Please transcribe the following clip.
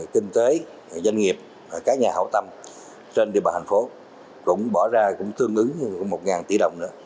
kinh tế doanh nghiệp các nhà hậu tâm trên địa bàn thành phố cũng bỏ ra cũng tương ứng một tỷ đồng nữa